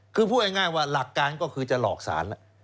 คือพูดง่ายว่าหลักการก็คือจะหลอกสาร